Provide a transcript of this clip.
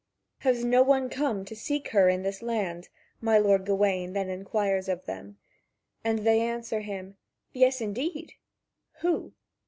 "Has no one come to seek her in this land?" my lord Gawain then inquires of them. And they answer him: "Yes, indeed." "Who?"